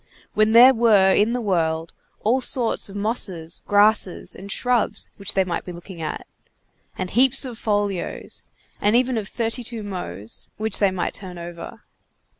when there were in the world all sorts of mosses, grasses, and shrubs which they might be looking at, and heaps of folios, and even of 32mos, which they might turn over.